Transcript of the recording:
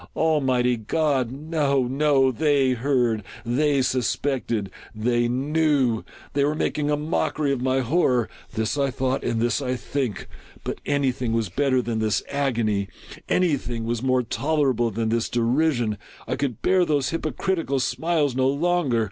Almighty God !— no, no ! They heard !— they suspected !— they knew /—they were making a mockery of my hor ror !— this I thought, and this I think. But any thing was better than this agony ! Any thing was more tolera ble than this derision ! I could bear those hypocritical smiles no longer